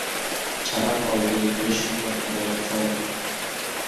چاناق ئالدى تۆشۈك بىر قەدەر چوڭ.